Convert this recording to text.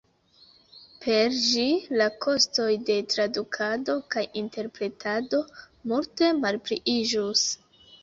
Per ĝi, la kostoj de tradukado kaj interpretado multe malpliiĝus.